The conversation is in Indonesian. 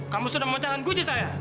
kamu sudah melepaskan guci saya